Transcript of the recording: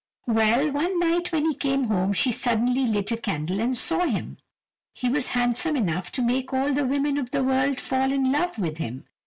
Well, one night when he came home she suddenly lit a candle and saw him. He was handsome enough to make all the women of the world fall in love with him.